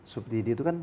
subsidi itu kan